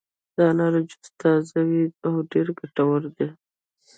د انارو جوس تازه وي او ډېر ګټور دی.